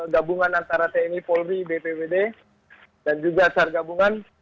gabungan antara tni polri bpwd dan juga sar gabungan